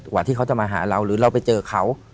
ที่เขาจะมาหาเราหรือเราไปเจอเขา